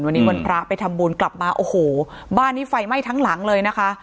วันนี้วันพระไปทำบุญกลับมาโอ้โหบ้านนี้ไฟไหม้ทั้งหลังเลยนะคะ